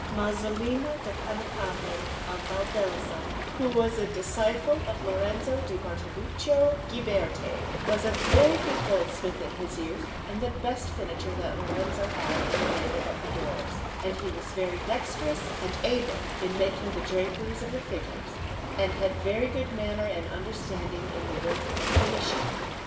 Masolino da Panicale of Valdelsa, who was a disciple of Lorenzo di Bartoluccio Ghiberti, was a very good goldsmith in his youth, and the best finisher that Lorenzo had in the labour of the doors; and he was very dexterous and able in making the draperies of the figures, and had very good manner and understanding in the work of finishing.